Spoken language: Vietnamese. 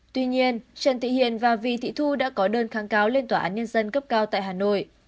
tuy nhiên trần thị hiền và vì thị thu đã có đơn kháng cáo lên tòa án nhân dân cấp cao tại hà nội